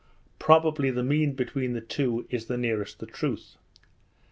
probably the mean between the two is the nearest the truth.